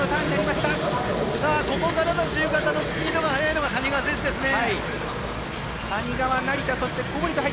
ここからのスピードが速いのが谷川選手ですね。